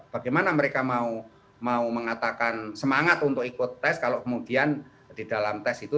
bagaimana mereka mau mengatakan semangat untuk ikut tes kalau kemudian di dalam tes itu